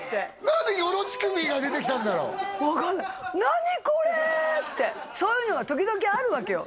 何でヨロチクビが出てきたんだろう分かんない何これってそういうのは時々あるわけよ